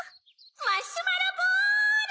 マシュマロボル！